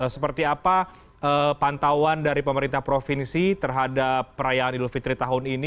seperti apa pantauan dari pemerintah provinsi terhadap perayaan idul fitri tahun ini